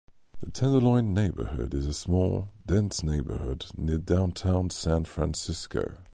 The Tenderloin neighborhood is a small, dense neighborhood near downtown San Francisco.